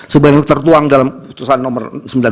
sebenarnya tertuang dalam keputusan nomor sembilan puluh